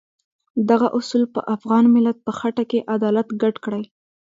دغه اصول په افغان ملت په خټه کې عدالت ګډ کړی.